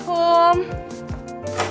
udah ada pacarnya